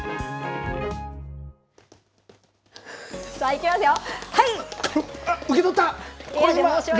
いきますよ。